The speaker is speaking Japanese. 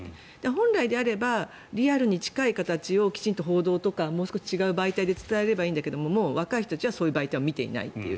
本来であればリアルに近い形をきちんと報道とかもう少し違う媒体で伝えればいいんだけどもう若い人たちはそういう媒体を見ていないと。